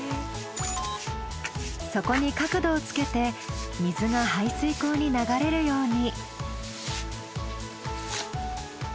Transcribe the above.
底に角度をつけて水が排水口に流れるように。